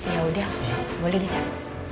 yaudah boleh nih cak